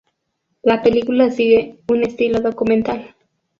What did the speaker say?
La película sigue un estilo documental.